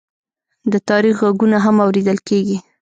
د تاریخ غږونه هم اورېدل کېږي.